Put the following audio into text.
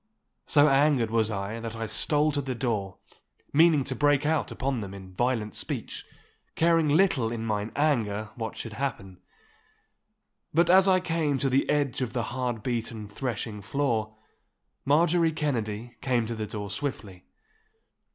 So angered was I that I stole to the door, meaning to break out upon them in violent speech, caring little in mine anger what should happen. But as I came to the edge of the hard beaten threshing floor, Marjorie Kennedy came to the door swiftly.